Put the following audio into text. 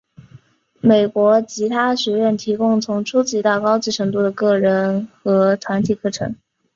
美国吉他学院提供从初级到高级程度的个人和团体课程。